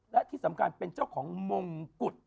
และที่สำคัญเป็นเจ้าของมงกุฎ